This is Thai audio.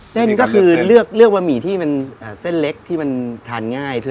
เส้นก็คือเลือกบะหมี่ที่มันเส้นเล็กที่มันทานง่าย